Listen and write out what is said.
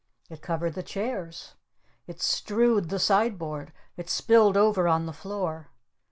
It covered the chairs. It strewed the sideboard. It spilled over on the floor.